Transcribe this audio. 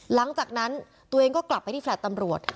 หลังจากนั้นตัวเองก็กลับไปที่แฟลต์ตำรวจ